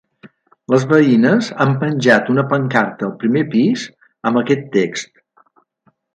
Les veïnes han penjat una pancarta al primer pis, amb aquest text.